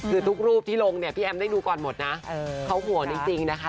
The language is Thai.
คือทุกรูปที่ลงพี่แอมได้ดูก่อนหมดนะเขาหัวเดี๋ยวจริงนะคะ